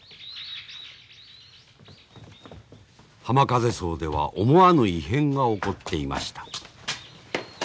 浜風荘では思わぬ異変が起こっていました。